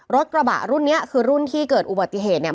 รถกระบะรุ่นนี้คือรุ่นที่เกิดอุบัติเหตุเนี่ย